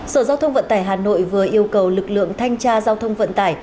sở giao thông vận tải hà nội vừa yêu cầu lực lượng thanh tra giao thông vận tải